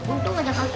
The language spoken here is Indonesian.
untung aja kak